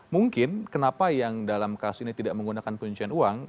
mungkin kenapa yang dalam kasus ini tidak menggunakan kuncian uang